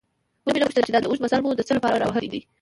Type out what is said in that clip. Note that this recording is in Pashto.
ومې نه پوښتل چې دا اوږد مزل مو د څه له پاره راوهلی دی؟